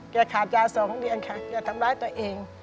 ขาดยา๒เดือนค่ะแกทำร้ายตัวเอง